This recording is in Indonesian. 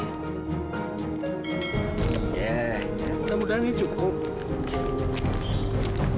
eh mudah mudahan ini cukup